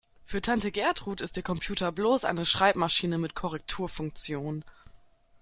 Für Tante Gertrud ist ihr Computer bloß eine Schreibmaschine mit Korrekturfunktion.